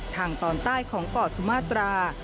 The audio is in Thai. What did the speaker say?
ทางตอนใต้ของเกาะสุมาตรา